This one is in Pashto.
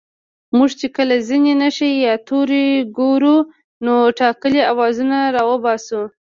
موږ چې کله ځينې نښې يا توري گورو نو ټاکلي آوازونه راوباسو